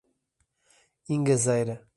Ingazeira